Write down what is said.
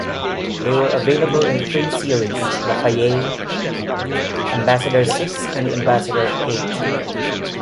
They were available in three series - LaFayette, Ambassador Six and Ambassador Eight.